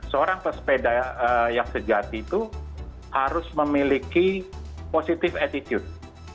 seorang pesepeda yang sejati itu harus memiliki positive attitude